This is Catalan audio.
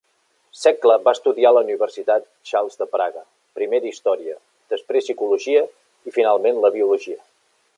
Sekla va estudiar a la Universitat Charles de Praga, primera història, després Psicologia i finalment la biologia.